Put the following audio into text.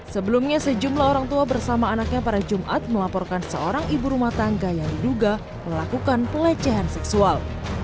sebelumnya sejumlah orang tua bersama anaknya pada jumat melaporkan seorang ibu rumah tangga yang diduga melakukan pelecehan seksual